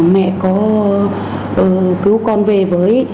mẹ cứu con về với